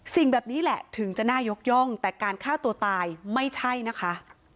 สิ่งแบบนี้แหละถึงจะน่ายกย่องแต่การฆ่าตัวตายไม่ใช่นะคะ